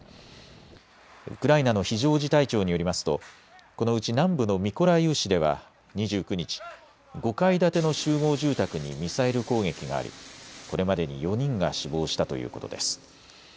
ウクライナの非常事態庁によりますとこのうち南部のミコライウ市では２９日、５階建ての集合住宅にミサイル攻撃がありこれまでに４人が死亡したということです。